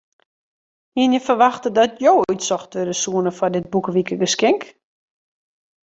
Hiene je ferwachte dat jo útsocht wurde soene foar dit boekewikegeskink?